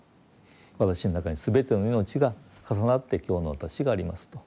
私の中に全ての命が重なって今日の私がありますと。